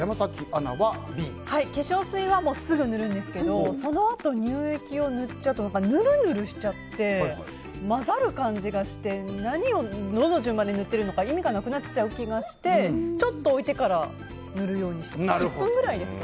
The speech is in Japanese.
化粧水はすぐ塗るんですけどそのあと乳液を塗っちゃうとヌルヌルしちゃって混ざる感じがして何をどの順番で塗ってるのか意味がなくなっちゃう気がしてちょっと置いてから塗るようにしてます。